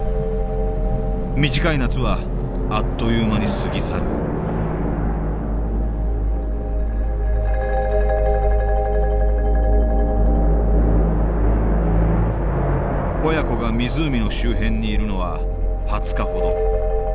短い夏はあっという間に過ぎ去る親子が湖の周辺にいるのは２０日ほど。